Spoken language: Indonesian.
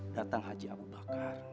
datang haji abu bakar